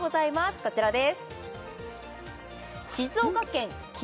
こちらです